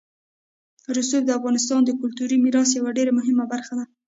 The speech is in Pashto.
رسوب د افغانستان د کلتوري میراث یوه ډېره مهمه برخه ده.